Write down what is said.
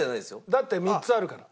だって３つあるから。